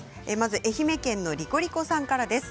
愛媛県の方からです。